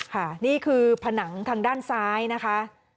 ค่ะนี่คือผนังทางด้านซ้ายนะคะ